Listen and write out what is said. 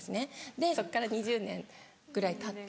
でそっから２０年ぐらいたった。